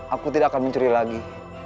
aku tidak akan mencuri lagi